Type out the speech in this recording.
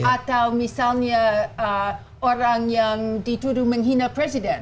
atau misalnya orang yang dituduh menghina presiden